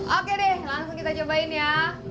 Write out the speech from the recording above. oke deh langsung kita cobain ya